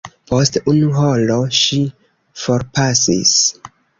Post unu horo ŝi forpasis.